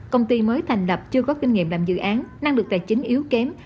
công ty mới thành lập chưa có kinh nghiệm làm dự án năng lực tài chính yếu kém